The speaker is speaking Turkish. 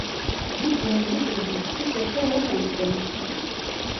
Bu denli bir riski göze alamayız' demiştir.